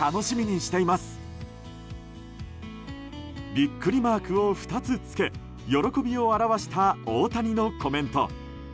ビックリマークを２つ付け喜びを表した大谷のコメント。